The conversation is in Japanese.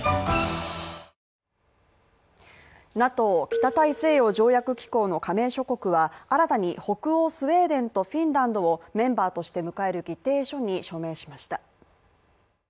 ＮＡＴＯ＝北大西洋条約機構の加盟諸国は新たに北欧スウェーデンとフィンランドをメンバーとして迎える議定書に署名しました。